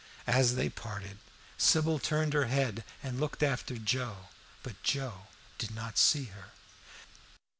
As they parted Sybil turned her head and looked after Joe, but Joe did not see her.